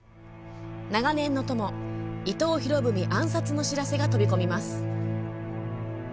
長年の友・伊藤博文暗殺の知らせが飛び込みます。